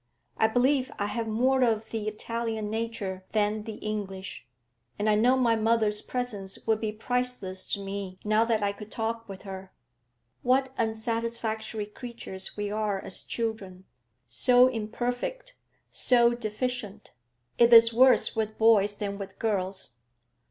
I believe I have more of the Italian nature than the English, and I know my mother's presence would be priceless to me now that I could talk with her. What unsatisfactory creatures we are as children, so imperfect, so deficient! It is worse with boys than with girls.